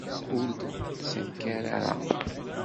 Ur d-ttnekkaren ara.